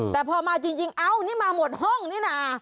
แต่พอมาจริงเอ้านี่มาหมดห้องนี่นะ